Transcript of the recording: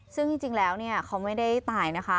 ซึ่งจริงแล้วเขาไม่ได้ตายนะคะ